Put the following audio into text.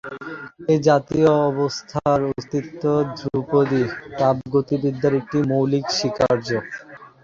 এই জাতীয় অবস্থার অস্তিত্ব ধ্রুপদী তাপগতিবিদ্যার একটি মৌলিক স্বীকার্য।